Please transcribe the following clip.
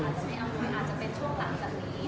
สถาปกติอาจจะเป็นช่วงหลังจากนี้